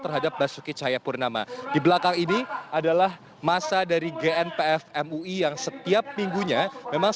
terhadap basuki cahayapurnama di belakang ini adalah masa dari gnpf mui yang setiap minggunya memang